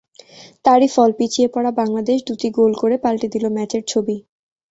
তারই ফল—পিছিয়ে পড়া বাংলাদেশ দুটি গোল করে পাল্টে দিল ম্যাচের ছবি।